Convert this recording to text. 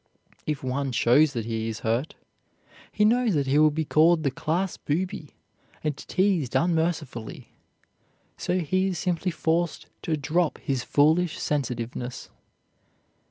If one shows that he is hurt, he knows that he will be called the class booby, and teased unmercifully, so he is simply forced to drop his foolish sensitiveness.